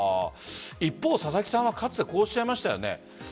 一方、佐々木さんはかつてこうおっしゃいましたよね。